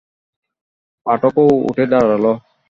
পাঠকও উঠে দাঁড়াল।